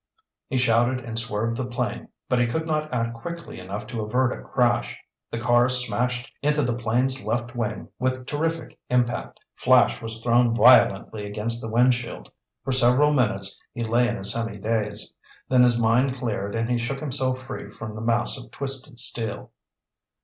He shouted and swerved the plane. But he could not act quickly enough to avert a crash. The car smashed into the plane's left wing with terrific impact. Flash was thrown violently against the windshield. For several minutes he lay in a semi daze. Then his mind cleared and he shook himself free from the mass of twisted steel.